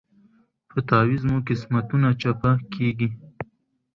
په تعویذ مو قسمتونه چپه کیږي